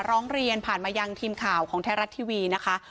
ร้องเรียนผ่านมายังทีมข่าวของไทยรัฐทีวีนะคะ